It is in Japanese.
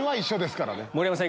盛山さん